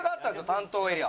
担当エリアが。